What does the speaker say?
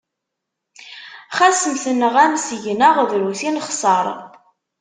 Xas tenɣam seg-neɣ, drus i nexseṛ.